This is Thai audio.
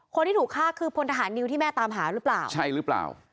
คนที่ถูกฆ่าคือพลทหารนิวที่แม่ตามหาหรือเปล่าใช่หรือเปล่า